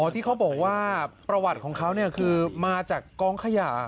ที่เขาบอกว่าประวัติของเขาคือมาจากกองขยะ